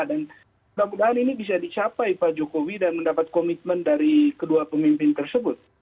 dan semoga ini bisa dicapai pak jokowi dan mendapat komitmen dari kedua pemimpin tersebut